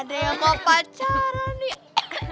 ada yang mau pacaran nih